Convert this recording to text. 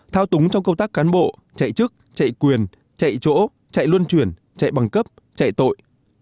thao túng trong công tác cán bộ chạy chức chạy quyền chạy chỗ chạy luân chuyển chạy bằng cấp chạy tội